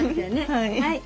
はい。